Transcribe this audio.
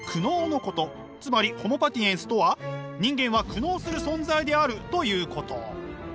つまりホモ・パティエンスとは人間は苦悩する存在であるということ。